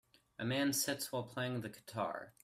A man sits while playing the guitar.